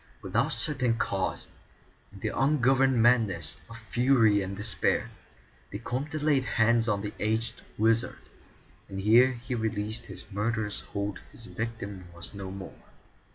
Without certain cause, in the ungoverned madness of fury and despair, the Comte laid hands on the aged wizard, and ere he released his murderous hold his victim was no more.